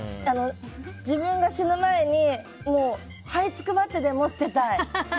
自分が死ぬ前にもうはいつくばってでも捨てたい。